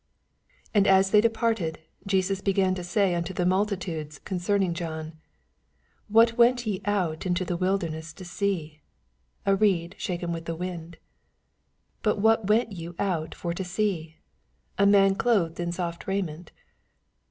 7 And as they departed, Jesas be gan to sav unto the multitudes con oemine John, What went ye out into the wildemess to see f A reed shaken with the wind 1 8 But what went you out for to see ? A man clothed in soft raiment